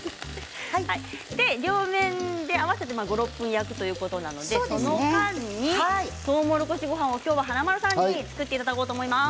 両面で合わせて５、６分焼くということなのでその間にとうもろこしごはんを今日は華丸さんに作っていただこうと思います。